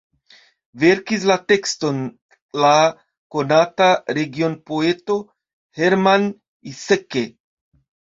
Verkis la tekston la konata regionpoeto Hermann Iseke.